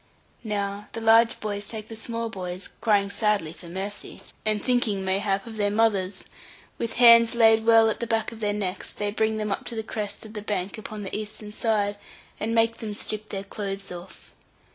Now the large boys take the small boys, crying sadly for mercy, and thinking mayhap, of their mothers, with hands laid well at the back of their necks, they bring them up to the crest of the bank upon the eastern side, and make them strip their clothes off.